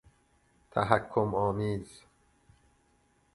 تحکم آمیز